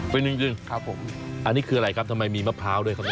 เป็นจริงครับผมอันนี้คืออะไรครับทำไมมีมะพร้าวด้วยครับ